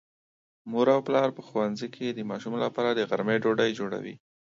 مور او پلار په ښوونځي کې د ماشوم لپاره د غرمې ډوډۍ جوړوي.